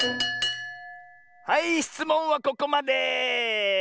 はいしつもんはここまで！